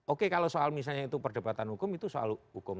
oke kalau soal misalnya itu perdebatan hukum itu soal hukum